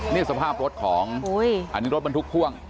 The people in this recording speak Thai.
นี่สภาพรถของอันนี้รถบรรทุกพ่วง